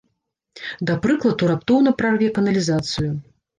Да прыкладу, раптоўна прарве каналізацыю.